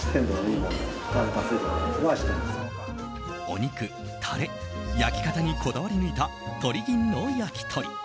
お肉、タレ、焼き方にこだわり抜いた鳥ぎんの焼き鳥。